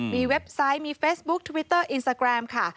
มีเว็บไซต์มีเฟซบุ๊คทวิตเตอร์อินสตาแกรมค่ะ